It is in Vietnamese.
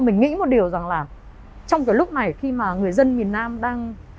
mình nghĩ một điều rằng là trong cái lúc này khi mà người dân miền nam đang